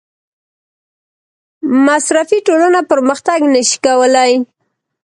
مصرفي ټولنه پرمختګ نشي کولی.